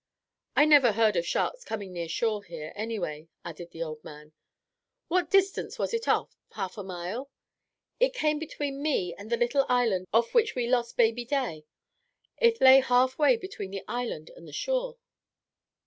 "I never heard of sharks coming near shore here, any way," added the old man. "What distance was it off half a mile?" "It came between me and the little island off which we lost baby Day. It lay half way between the island and the shore."